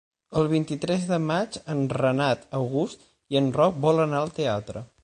El vint-i-tres de maig en Renat August i en Roc volen anar al teatre.